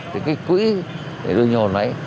thì cái quỹ để đưa nhồn ấy